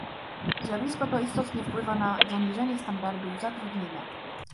Zjawisko to istotnie wpływa na zaniżenie standardów zatrudnienia